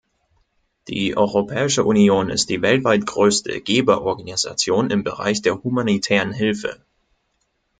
Die Europäische Union ist die weltweit größte Geberorganisation im Bereich der humanitären Hilfe.